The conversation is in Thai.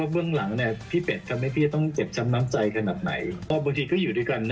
บางทีก็อยู่ด้วยกันเนี่ย